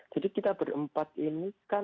jadi kita berempat ini kan